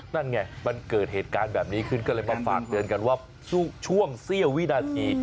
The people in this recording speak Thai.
นั่นไงมันเกิดเหตุการณ์แบบนี้ขึ้นก็เลยมาฝากเตือนกันว่าช่วงเสี้ยววินาที